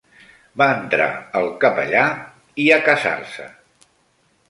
Va entrar el capellà... i a casar-se.